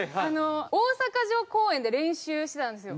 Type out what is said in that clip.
大阪城公園で練習してたんですよ。